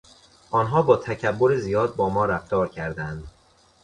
آنها با تکبر زیاد با ما رفتار کردند.